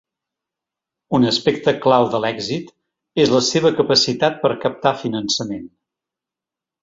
Un aspecte clau de l’èxit és la seva capacitat per a captar finançament.